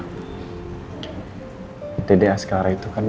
under magistrate jadi dom dongg